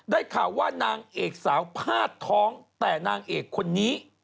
ได้ข่าวว่านางเอกสาวพาดท้องแต่นางเอกคนนี้